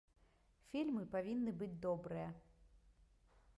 Фільмы павінны быць добрыя.